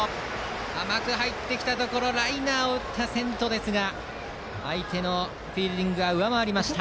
甘く入ってきたところライナーを打った専徒ですが相手のフィールディングは上回りました。